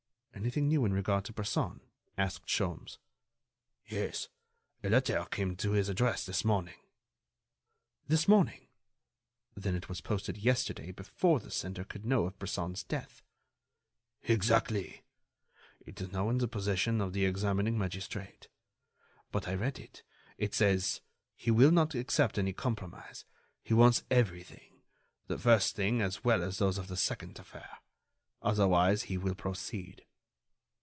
"Anything new in regard to Bresson?" asked Sholmes. "Yes, a letter came to his address this morning." "This morning? Then it was posted yesterday before the sender could know of Bresson's death." "Exactly. It is now in the possession of the examining magistrate. But I read it. It says: _He will not accept any compromise. He wants everything—the first thing as well as those of the second affair. Otherwise he will proceed.